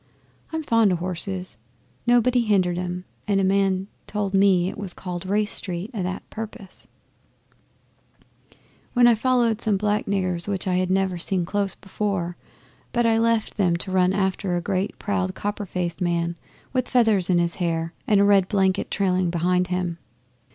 I'm fond o' horses. Nobody hindered 'em, and a man told me it was called Race Street o' purpose for that. Then I followed some black niggers, which I'd never seen close before; but I left them to run after a great, proud, copper faced man with feathers in his hair and a red blanket trailing behind him.